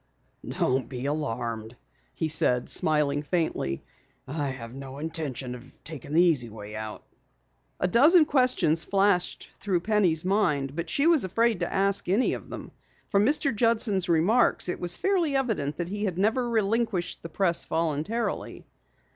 "Don't be alarmed," he said, smiling faintly. "I have no intention of taking the easy way out." A dozen questions flashed through Penny's mind, but she was afraid to ask any of them. From Mr. Judson's remarks it was fairly evident that he never had relinquished the Press voluntarily.